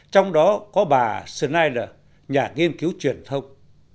trong đó có bà sonyer nhà nghiên cứu truyền thông